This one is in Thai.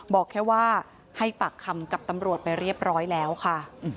บอกแค่ว่าให้ปากคำกับตำรวจไปเรียบร้อยแล้วค่ะ